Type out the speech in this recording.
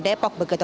negeri depok begitu